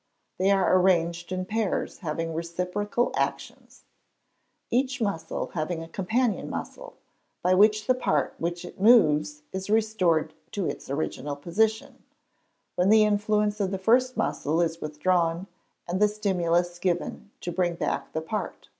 They are arranged in pairs, having reciprocal actions each muscle having a companion muscle by which the part which it moves is restored to its original position, when the influence of the first muscle is withdrawn, and the stimulus given to bring back the part.